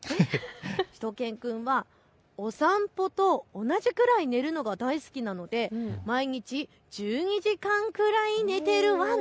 しゅと犬くんは、お散歩と同じくらい寝るのが大好きなので毎日１２時間くらい寝てるワン！